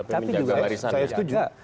tapi menjaga garisannya